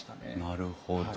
なるほど。